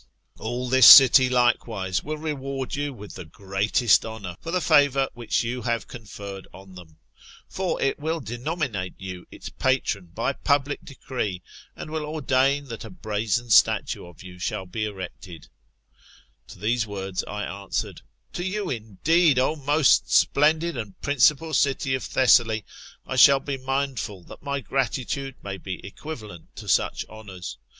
All this city, likewise, will reward you with the greatest honour, for the favour which you have conferred on them. For it will denominate you its patron [by a public decree,] and will ordain that a brazen statue of you shall be erected To these words I answered, To you, indeed, O most splendid and principal city of Thessaly, I shall be mindful that my gratitude may be equivalent to such honours.